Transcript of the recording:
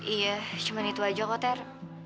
iya cuman itu aja kok ter